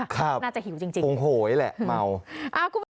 ครับปรงโหยแหละเมาน่าจะหิวจริงครับ